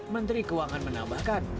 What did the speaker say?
menteri keuangan menambahkan